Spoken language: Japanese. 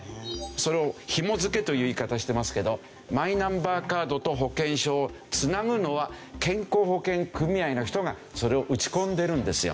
それをひも付けという言い方してますけどマイナンバーカードと保険証を繋ぐのは健康保険組合の人がそれを打ち込んでるんですよ。